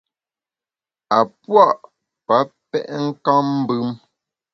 A pua’ pa pèt nkammbùm.